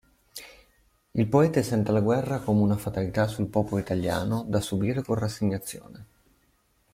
Il poeta sente la guerra come una fatalità sul popolo italiano da subire con rassegnazione.